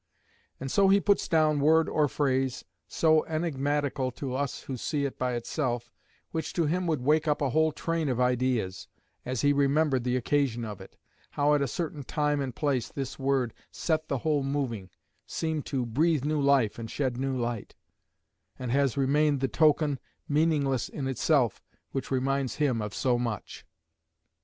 And so he puts down word or phrase, so enigmatical to us who see it by itself, which to him would wake up a whole train of ideas, as he remembered the occasion of it how at a certain time and place this word set the whole moving, seemed to breathe new life and shed new light, and has remained the token, meaningless in itself, which reminds him of so much.